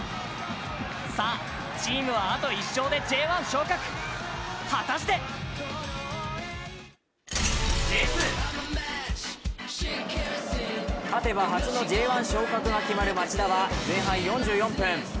さあ、チームはあと１勝でＪ１昇格、果たして勝てば初のＪ１昇格が決まる町田は前半４４分。